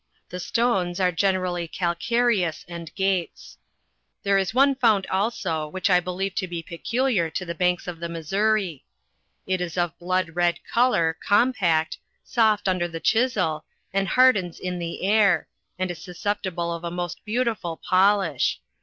The stones are generally calcareous and gates. There i* one found also, which I believe to be peculiar to the banks of the Missouri* It is of blood red colour, compact, soft under the chisel, and hardens in the air, and is susceptible of a most beautiful polish.